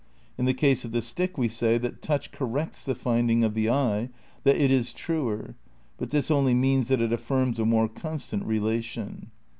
In the case of the stick we say that touch "corrects" the finding of the eye, that it is "truer"; but this only means that it affirms a more constant relation.